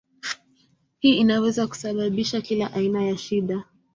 Hii inaweza kusababisha kila aina ya shida.